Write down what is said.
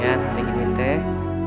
alhamdulillah neng cepetnya lumayan